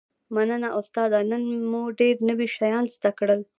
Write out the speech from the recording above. مننه استاده نن مو ډیر نوي شیان زده کړل